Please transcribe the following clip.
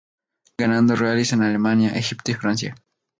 Ganando rallys en Alemania, Egipto y Francia.